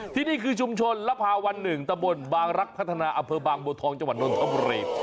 ที่นี่คือชุมชนลภาวัน๑ตะบนบางรักพัฒนาอำเภอบางบัวทองจังหวัดนทบุรี